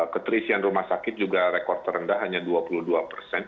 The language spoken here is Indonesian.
keterisian rumah sakit juga rekor terendah hanya dua puluh dua persen